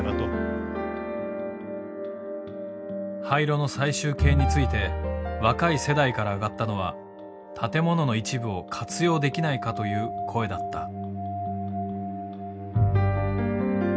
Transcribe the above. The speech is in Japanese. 廃炉の最終形について若い世代から上がったのは建物の一部を活用できないかという声だった。